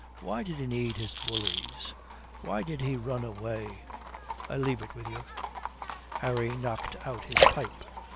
Why did he need his bullies? Why did he run away? I leave it with you." Harry knocked out his pipe.